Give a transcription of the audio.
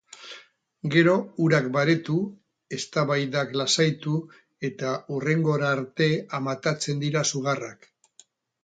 Gero urak baretu, eztabaidak lasaitu eta hurrengora arte amatatzen dira sugarrak.